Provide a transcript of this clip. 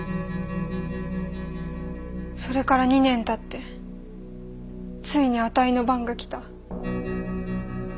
それから２年たってついにあたいの番が来た。